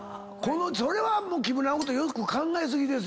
それは木村のこと良く考え過ぎ。